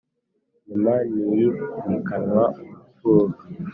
Nyuma ntiyimikanwa ubupfubyi,